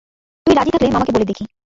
তুই রাজি থাকলে মামাকে বলে দেখি।